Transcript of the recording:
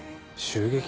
襲撃？